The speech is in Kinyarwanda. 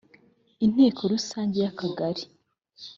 inteko rusange y akagari